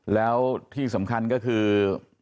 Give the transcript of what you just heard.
แล้วที่สำคัญก็คือ